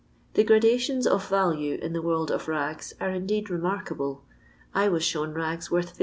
The gradationi of value in the world of rags are indeed remarkable. I was shown rags worth 50